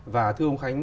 và thưa ông khánh